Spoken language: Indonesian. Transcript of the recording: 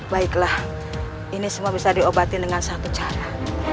baiklah ini semua bisa diobatin dengan satu cara